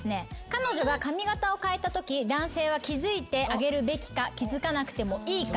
彼女が髪形を変えたとき男性は気付いてあげるべきか気付かなくてもいいか。